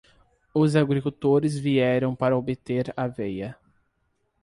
Os agricultores vieram para obter aveia.